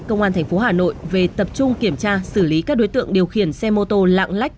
công an tp hà nội về tập trung kiểm tra xử lý các đối tượng điều khiển xe mô tô lạng lách